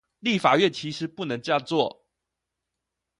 立法院其實不能這樣做